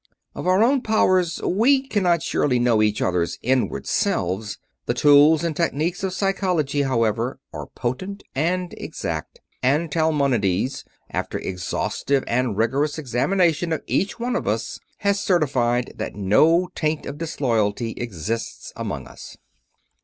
Of our own powers, we cannot surely know each others' inward selves. The tools and techniques of psychology, however, are potent and exact; and Talmonides, after exhaustive and rigorous examination of each one of us, has certified that no taint of disloyalty exists among us."